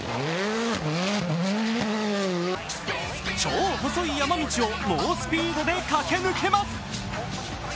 超細い山道を猛スピードで駆け抜けます。